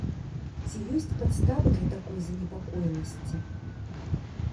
Ці ёсць падставы для такой занепакоенасці?